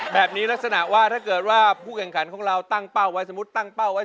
แบบนี้ลักษณะว่าถ้าเกิดว่าผู้เก่งขันของเราแบบตั้งเป้าไว้๒๐๐๐๐๐